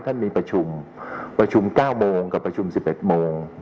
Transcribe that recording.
ท่านมีประชุมประชุม๙โมงกับประชุม๑๑โมง